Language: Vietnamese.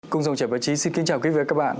cùng dòng chảy báo chí xin kính chào quý vị và các bạn